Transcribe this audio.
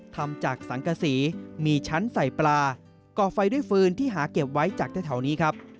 ทำจากสังกษีมีชั้นใส่ปลาก่อไฟด้วยฟืนที่หาเก็บไว้จากแถวนี้ครับ